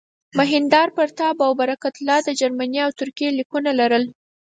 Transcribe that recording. مهیندراپراتاپ او برکت الله د جرمني او ترکیې لیکونه لرل.